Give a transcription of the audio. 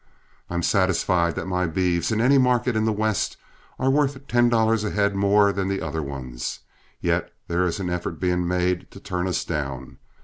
I'm satisfied that my beeves, in any market in the West, are worth ten dollars a head more than the other ones, yet there is an effort being made to turn us down.